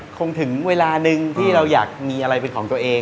คงถึงเวลานึงที่เราอยากมีอะไรเป็นของตัวเอง